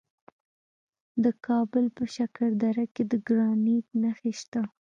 د کابل په شکردره کې د ګرانیټ نښې شته.